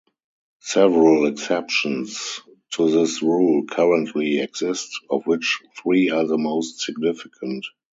Several exceptions to this rule currently exist, of which three are the most significant.